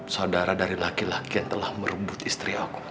saudara dari laki laki yang telah merebut istri aku